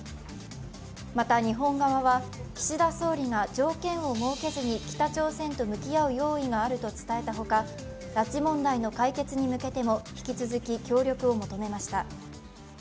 また日本側は岸田総理が条件を設けずに北朝鮮と向き合う用意があると伝えたほか、拉致問題の解決に向けても引き続き協力を求めました。